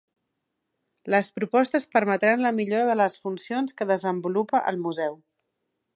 Les propostes permetran la millora de les funcions que desenvolupa el museu.